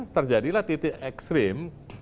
terjadilah titik ekstrim